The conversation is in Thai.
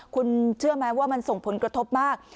คุณเชื่อไหมว่ามันส่งผลกระทบมาก